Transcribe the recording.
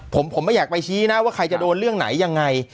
ผมไม่อยากไปชี้นะว่าใครจะโดนเรื่องไหนยังไง